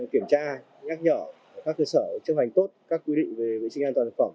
kiểm tra nhắc nhở các cơ sở chấp hành tốt các quy định về vệ sinh an toàn thực phẩm